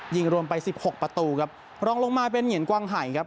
ยิงรวมไปสิบหกประตูครับรองลงมาเป็นเหยียนกวางไห่ครับ